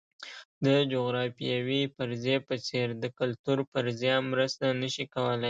د جغرافیوي فرضیې په څېر د کلتور فرضیه مرسته نه شي کولای.